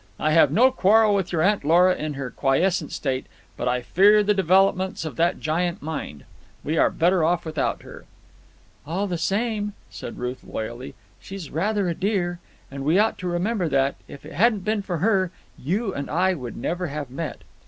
I have no quarrel with your Aunt Lora in her quiescent state, but I fear the developments of that giant mind. We are better off without her." "All the same," said Ruth loyally, "she's rather a dear. And we ought to remember that, if it hadn't been for her, you and I would never have met."